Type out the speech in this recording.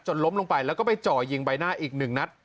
ล้มลงไปแล้วก็ไปจ่อยิงใบหน้าอีกหนึ่งนัด